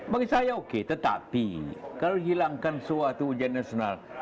bagi saya oke tetapi kalau hilangkan suatu ujian nasional